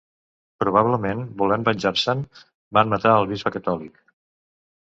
Probablement, volent venjar-se'n, van matar el bisbe catòlic.